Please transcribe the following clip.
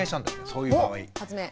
そういう場合。